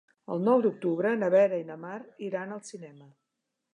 El nou d'octubre na Vera i na Mar iran al cinema.